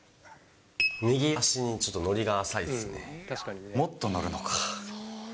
右足にちょっと乗りが浅いでもっと乗るのか。